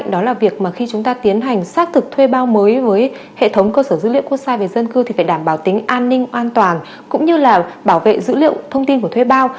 đó là việc mà khi chúng ta tiến hành xác thực thuê bao mới với hệ thống cơ sở dữ liệu quốc gia về dân cư thì phải đảm bảo tính an ninh an toàn cũng như là bảo vệ dữ liệu thông tin của thuê bao